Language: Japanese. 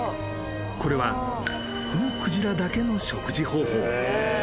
［これはこのクジラだけの食事方法］